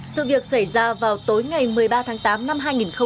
sự việc xảy ra vào tối ngày một mươi ba tháng tám năm hai nghìn hai mươi ba